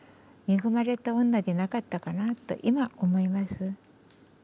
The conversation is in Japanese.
恵まれた女でなかったかなと今思います。